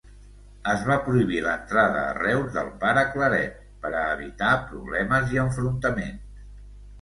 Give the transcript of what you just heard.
Es va prohibir l'entrada a Reus del pare Claret per a evitar problemes i enfrontaments.